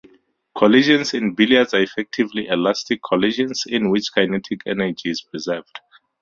Collisions in billiards are effectively elastic collisions, in which kinetic energy is preserved.